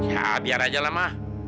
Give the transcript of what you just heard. ya biar aja lah mah